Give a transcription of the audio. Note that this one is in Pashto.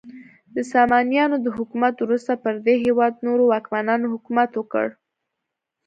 د سامانیانو د حکومت وروسته پر دې هیواد نورو واکمنانو حکومت وکړ.